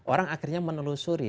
kemudian akhirnya menelusuri